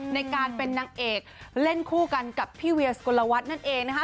ในการเป็นนางเอกเล่นคู่กันกับพี่เวียสุกลวัฒน์นั่นเองนะคะ